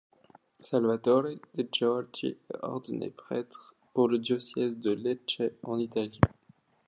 Salvatore De Giorgi est ordonné prêtre le pour le diocèse de Lecce en Italie.